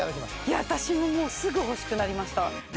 いや私ももうすぐ欲しくなりました。